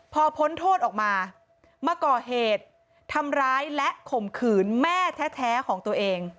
พอพ้นโทษออกมามาก่อเหตุทำร้ายและข่มขืนแม่แท้ของตัวเอง